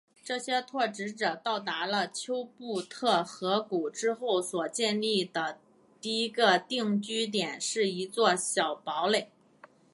这些拓殖者到达了丘布特河谷之后所建立的第一个定居点是一座小堡垒。